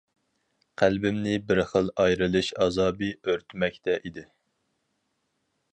قەلبىمنى بىر خىل ئايرىلىش ئازابى ئۆرتىمەكتە ئىدى.